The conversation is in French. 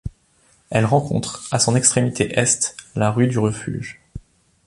Elle rencontre, à son extrémité est, la rue du Refuge.